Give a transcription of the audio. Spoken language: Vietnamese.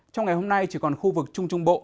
trong ngày hôm nay chỉ còn khu vực trung trung bộ